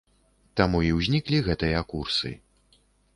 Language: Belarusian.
Таму і ўзніклі гэтыя курсы.